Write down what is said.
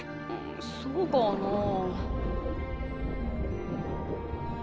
そうかなあ。